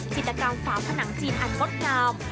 จิตกรรมฝาผนังจีนอันงดงาม